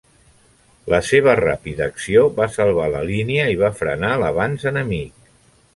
La seva ràpida acció va salvar la línia i va frenar l'avanç enemic.